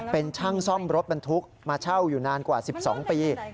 เป็นช่างซ่อมรถบรรทุกมาเช่าอยู่นานกว่า๑๒ปี